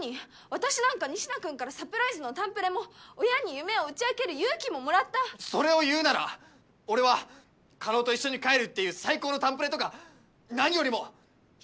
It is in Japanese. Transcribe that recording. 私なんか仁科君からサプライズの誕プレも親に夢を打ち明ける勇気ももらったそれを言うなら俺は叶と一緒に帰るっていう最高の誕プレとか何よりも将来の夢ももらったんだぞ